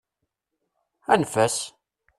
Anef-as!